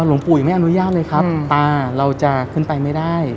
หลวงปู่ยังไม่อนุญาตเลยครับตาเราจะขึ้นไปไม่ได้